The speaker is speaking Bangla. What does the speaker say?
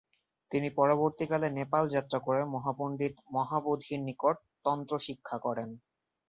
তিনি পরবর্তীকালে নেপাল যাত্রা করে মহাপণ্ডিত মহাবোধির নিকট তন্ত্রশিক্ষা করেন।